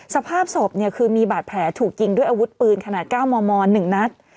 สภาพศพคือมีบาดแผลถูกยิงด้วยอาวุธปืนขนาด๙มม๑นัด